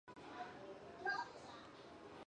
王居安墓在大溪西贡。